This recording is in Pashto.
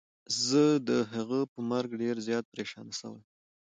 زه د هغه په مرګ ډير زيات پريشانه سوی يم.